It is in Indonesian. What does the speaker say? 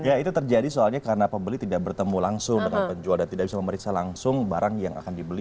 ya itu terjadi soalnya karena pembeli tidak bertemu langsung dengan penjual dan tidak bisa memeriksa langsung barang yang akan dibeli